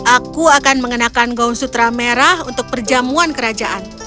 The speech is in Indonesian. aku akan mengenakan gaun sutra merah untuk perjamuan kerajaan